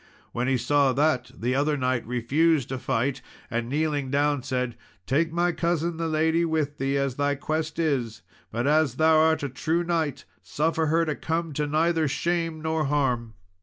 When he saw that, the other knight refused to fight, and kneeling down said, "Take my cousin the lady with thee, as thy quest is; but as thou art a true knight, suffer her to come to neither shame nor harm."